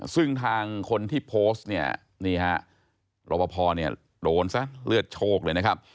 ซึ่งทางคนที่โพสต์นี่ฮะรอบพอร์โดนซะเลือดโชคเลยนะครับ